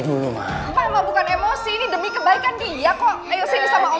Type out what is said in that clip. kamu mau sini demi kebaikan dia kok ayo sini sama oma